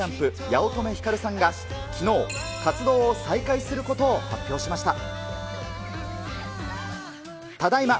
ＪＵＭＰ・八乙女光さんがきのう、活動を再開することを発表しました。